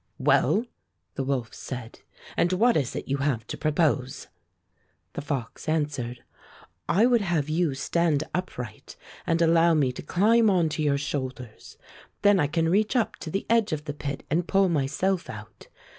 "Well," the wolf said, "and what is it you have to propose?" The fox answered: "I would have you stand upright and allow me to climb onto your shoulders. Then I can reach up to the edge of the pit and pull myself out.